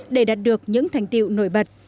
để đạt được những thành tiệu nổi bật